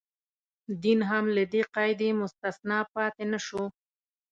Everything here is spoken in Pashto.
دین هم له دې قاعدې مستثنا پاتې نه شو.